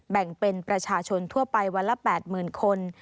แบ่งเป็นประชาชนทั่วไปวันละ๘๐๐๐คน